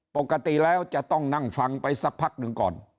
ปกติแล้วจะต้องนั่งฟังไปสักพักหนึ่งก่อน